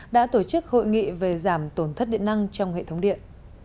đã tổ chức hội nghị về giảm tổn thất điện năng trong hệ thống điện